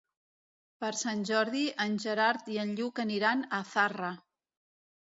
Per Sant Jordi en Gerard i en Lluc aniran a Zarra.